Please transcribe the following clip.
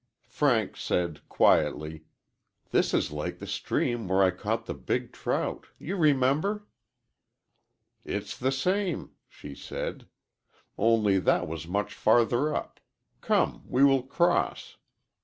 Frank said, quietly: "This is like the stream where I caught the big trout you remember?" "It is the same," she said, "only that was much farther up. Come, we will cross."